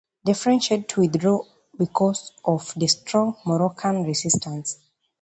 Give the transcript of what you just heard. The French had to withdraw because of the strong Moroccan resistance.